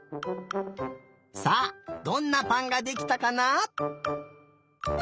さあどんなぱんができたかな？